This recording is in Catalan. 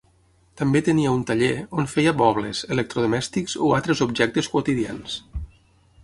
També tenia un taller on feia mobles, electrodomèstics o altres objectes quotidians.